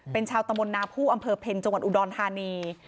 เป็นชาวตะมนตนาผู้อำเภอเพ็ญจังหวัดอุดรธานี